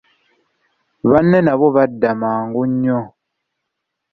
Banne nabo badda mangu nnyo.